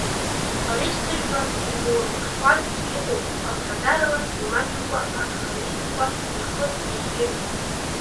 Борис Ҭыжәба имаурҽхәартә иҟоуп хыԥхьаӡарала имаҷымкәа архаизмқәа ихы иахьаирхәо.